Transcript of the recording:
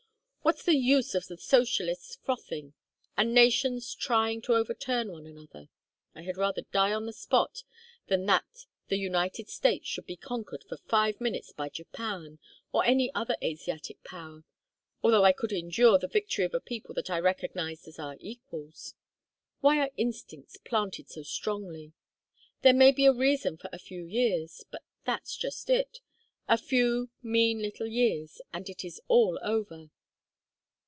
What's the use of the socialists frothing, and nations trying to overturn one another? I had rather die on the spot than that the United States should be conquered for five minutes by Japan or any other Asiatic power, although I could endure the victory of a people that I recognized as our equals. Why are instincts planted so strongly? There may be a reason for a few years; but that's just it, a few mean little years and it is all over.